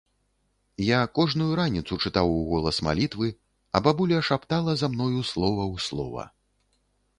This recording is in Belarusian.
Я кожную раніцу чытаў уголас малітвы, а бабуля шаптала за мною слова ў слова.